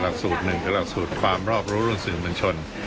สูตรหนึ่งคือหลักสูตรความรอบรู้เรื่องสื่อมวลชน